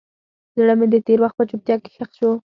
زړه مې د تېر وخت په چوپتیا کې ښخ شو.